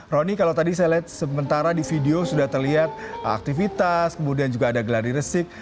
roni kalau tadi saya lihat sementara di video sudah terlihat aktivitas kemudian juga ada gelar di resik